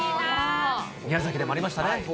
宮崎でもありましたね。